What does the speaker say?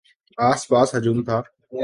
آس پاس ہجوم تھا۔